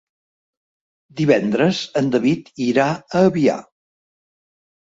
Divendres en David irà a Avià.